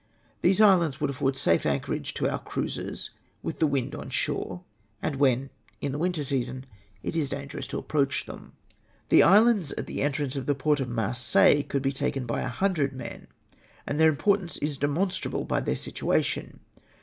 These islands would afford safe anchorage to our cruisers, with the wind on shore, and when, in the winter season, it is dangerous to approach them. " The islands at the entrance of the port of Marseilles could be taken by 100 men, and their importance is demon strable by their situation.